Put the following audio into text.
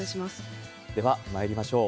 ではまいりましょう。